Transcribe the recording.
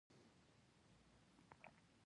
د جنګ له جبهو خبرونه راتلل چې روسان سخت مقاومت کوي